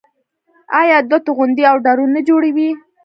آیا دوی توغندي او ډرون نه جوړوي؟